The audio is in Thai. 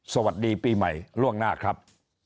สวัสดีปีใหม่ล่วงหน้าครับ